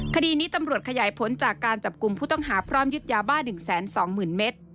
คดีนี้ตำรวจขยายผลจากการจับกลุ่มผู้ต้องหาพร้อมยึดยาบ้า๑๒๐๐๐เมตร